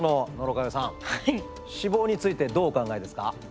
脂肪についてどうお考えですか？